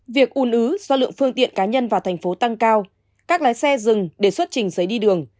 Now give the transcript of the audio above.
việc ủn ứ do lượng phương tiện cá nhân vào thành phố tăng cao các lái xe dừng để xuất trình giấy đi đường